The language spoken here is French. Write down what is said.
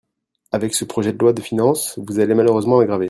Avec ce projet de loi de finances, vous allez malheureusement l’aggraver.